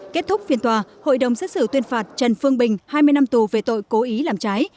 kết thúc phiên tòa hội đồng xét xử tuyên phạt trần phương bình hai mươi năm tù về tội cố ý làm trái